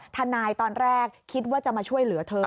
ทนายตอนแรกคิดว่าจะมาช่วยเหลือเธอ